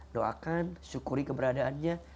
doakan syukuri keberadaannya